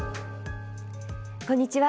こんにちは。